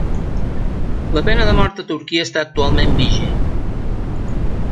La pena de mort a Turquia està actualment vigent